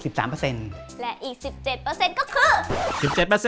และอีก๑๗ก็คือ๑๗